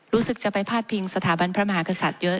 รู้สึกจะไปพาดพิงสถาบันพระมหากษัตริย์เยอะ